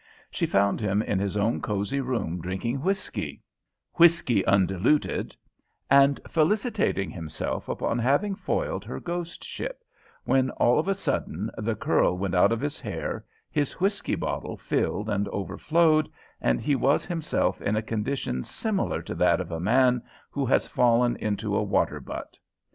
She found him in his own cosey room drinking whiskey whiskey undiluted and felicitating himself upon having foiled her ghostship, when all of a sudden the curl went out of his hair, his whiskey bottle filled and overflowed, and he was himself in a condition similar to that of a man who has fallen into a water butt.